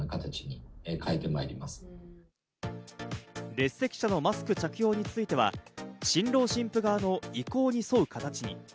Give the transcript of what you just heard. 列席者のマスク着用については、新郎新婦側の意向に沿う形に。